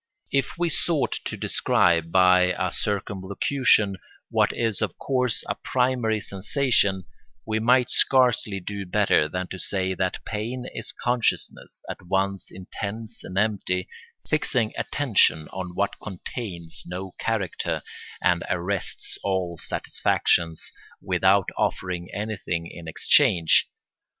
If we sought to describe by a circumlocution what is of course a primary sensation, we might scarcely do better than to say that pain is consciousness at once intense and empty, fixing attention on what contains no character, and arrests all satisfactions without offering anything in exchange.